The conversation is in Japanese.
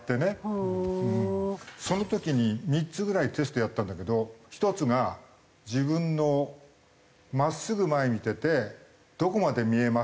その時に３つぐらいテストやったんだけど１つが自分の真っすぐ前見ててどこまで見えますか？という。